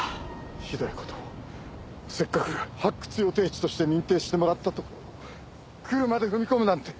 ひどいことをせっかく発掘予定地として認定してもらったとこ車で踏み込むなんて。